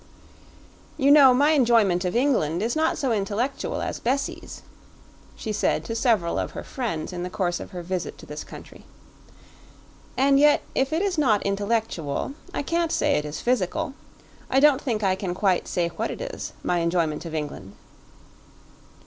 "You know my enjoyment of England is not so intellectual as Bessie's," she said to several of her friends in the course of her visit to this country. "And yet if it is not intellectual, I can't say it is physical. I don't think I can quite say what it is, my enjoyment of England."